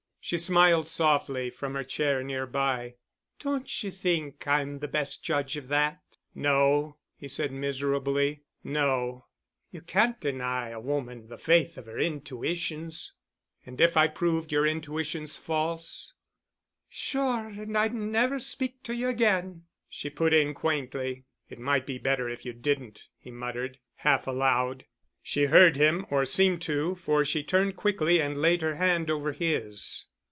She smiled softly from her chair nearby. "Don't you think I'm the best judge of that?" "No," he said miserably. "No." "You can't deny a woman the faith of her intuitions." "And if I proved your intuitions false——" "Sure and I'd never speak to you again," she put in quaintly. "It might be better if you didn't," he muttered, half aloud. She heard him, or seemed to, for she turned quickly and laid her hand over his.